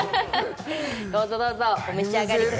どうぞどうぞお召し上がりください